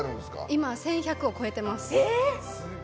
今１１００を超えてます。